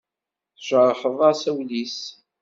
Tjerḥeḍ-as ul-is.